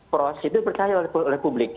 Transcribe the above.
proses itu dipercaya oleh publik